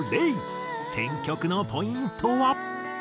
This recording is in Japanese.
選曲のポイントは。